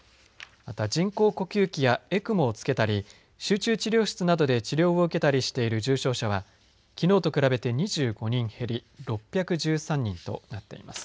また人工呼吸器やＥＣＭＯをつけたり集中治療室などで治療を受けたりしている重症者はきのうと比べて２５人減り６１３人となっています。